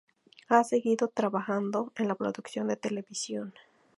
Ha seguido trabajando en la producción de televisión.